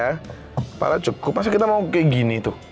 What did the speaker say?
kepala cukup pasti kita mau kayak gini tuh